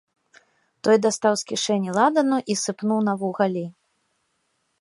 Той дастаў з кішэні ладану і сыпнуў на вугалі.